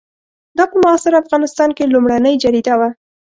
دا په معاصر افغانستان کې لومړنۍ جریده وه.